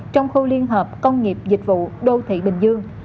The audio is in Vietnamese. trong khu liên hợp công nghiệp dịch vụ đô thị bình dương